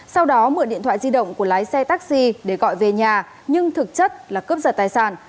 sau đó mượn điện thoại di động của lái xe taxi để gọi về nhà nhưng thực chất là cướp giật tài sản